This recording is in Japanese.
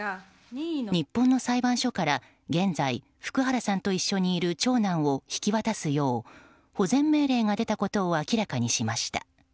日本の裁判所から現在、福原さんと一緒にいる長男を引き渡すよう保全命令が出たことを明らかにしました。